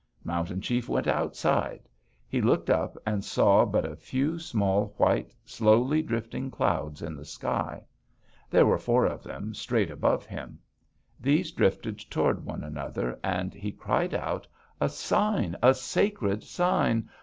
"Mountain Chief went outside. He looked up and saw but a few small, white, slowly drifting clouds in the sky. There were four of them straight above him. These drifted toward one another, and he cried out: 'A sign! A sacred sign!